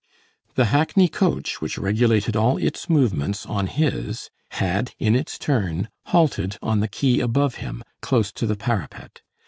The hackney coach, which regulated all its movements on his, had, in its turn, halted on the quay above him, close to the parapet.